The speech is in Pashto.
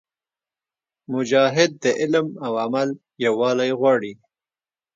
مجاهد د علم او عمل یووالی غواړي.